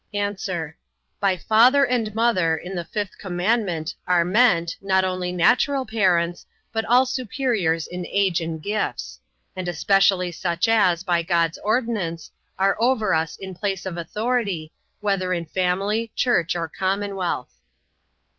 A. By father and mother, in the fifth commandment, are meant, not only natural parents, but all superiors in age and gifts; and especially such as, by God's ordinance, are over us in place of authority, whether in family, church, or commonwealth.